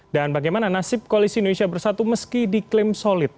dan bagaimana nasib koalisi indonesia bersatu meski diklaim solid